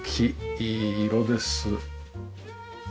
いい色です。